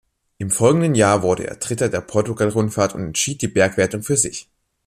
Im folgenden Jahr wurde er Dritter der Portugal-Rundfahrt und entschied die Bergwertung für sich.